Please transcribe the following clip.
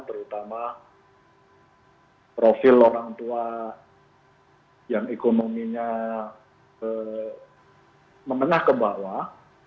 terutama profil orang tua yang ekonominya menengah ke bawah